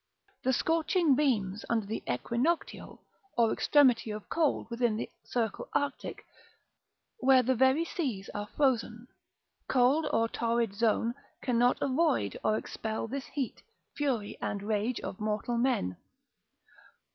The scorching beams under the equinoctial, or extremity of cold within the circle arctic, where the very seas are frozen, cold or torrid zone, cannot avoid or expel this heat, fury, and rage of mortal men.